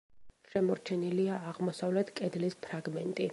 შემორჩენილია აღმოსავლეთ კედლის ფრაგმენტი.